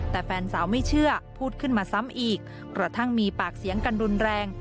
แต่แฟนสาวไม่เชื่อพูดขึ้นมาซ้ำอีกกระทั่งมีปากเสียงกันรุนแรง